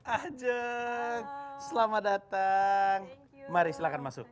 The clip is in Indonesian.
ajeng selamat datang mari silahkan masuk